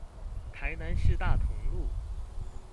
台南市大同路